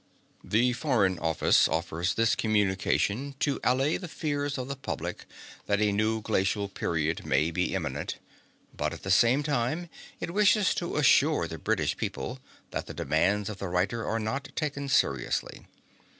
The foreign office offers this communication to allay the fears of the public that a new glacial period may be imminent, but at the same time it wishes to assure the British people that the demands of the writer are not taken seriously.